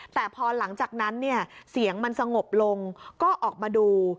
แต่พอหลังจากนั้นเนี่ยเสียงมันสงบลงก็ออกมาดู